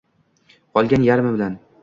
Qolgan yarmi bilan